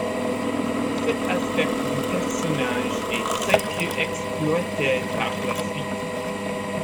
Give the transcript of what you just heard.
Cet aspect du personnage est très peu exploité par la suite.